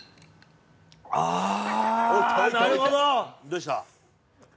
「どうした？」